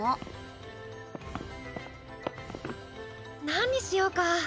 なんにしようか？